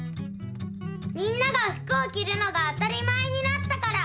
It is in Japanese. みんなが服をきるのが当たり前になったから！